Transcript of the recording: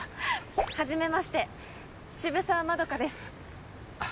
はじめまして渋沢まどかです。